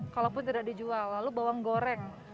kalaupun tidak dijual lalu bawang goreng